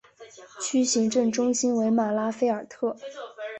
区行政中心为马拉费尔特。